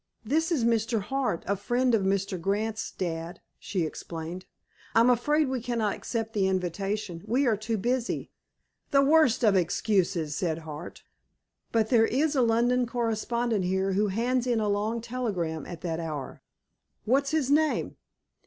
"This is Mr. Hart, a friend of Mr. Grant's, dad," she explained. "I'm afraid we cannot accept the invitation. We are so busy." "The worst of excuses," said Hart. "But there is a London correspondent here who hands in a long telegram at that hour." "What's his name?"